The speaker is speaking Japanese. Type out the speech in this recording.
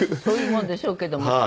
そういうものでしょうけども。